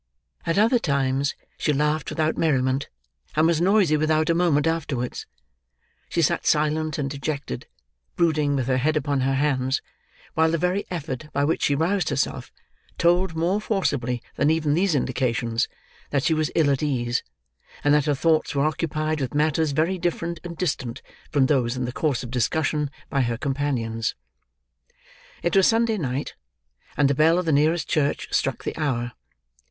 At other times, she laughed without merriment, and was noisy without a moment afterwards—she sat silent and dejected, brooding with her head upon her hands, while the very effort by which she roused herself, told, more forcibly than even these indications, that she was ill at ease, and that her thoughts were occupied with matters very different and distant from those in the course of discussion by her companions. It was Sunday night, and the bell of the nearest church struck the hour.